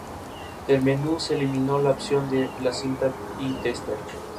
Se les presenta como un grupo organizado, un clan, una secta.